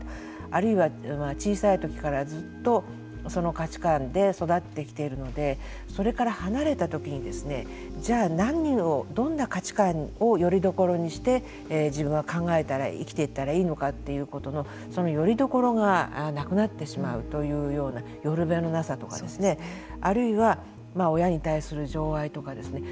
あるいは、小さいときからずっとその価値観で育ってきているのでそれから離れたときにじゃあ、何をどんな価値観をよりどころにして自分は考えて生きていったらいいのかということのそのよりどころがなくなってしまうというような寄るべのなさとかですねあるいは親に対する情愛とかですね